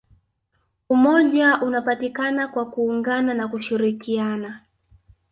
umoja unapatikana kwa kuungana na kushirikiana